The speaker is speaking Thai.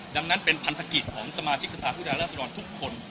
ดังนั้นเป็นภัณฑกิจของสมาชิกษภาพุทธรรมทุกคน